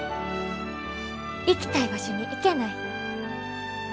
行きたい場所に行けない。